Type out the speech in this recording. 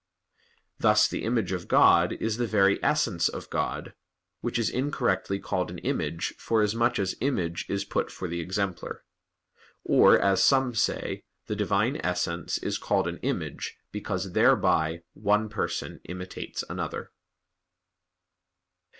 Thus the image of God is the very Essence of God, Which is incorrectly called an image forasmuch as image is put for the exemplar. Or, as some say, the Divine Essence is called an image because thereby one Person imitates another.